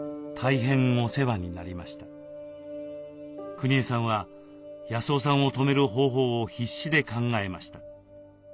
くにえさんは康雄さんを止める方法を必死で考えました。